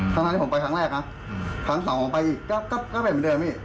ทั้งนั้นที่ผมไปครั้งแรกนะครั้งสองผมไปอีกก็เป็นเหมือนเดิมพี่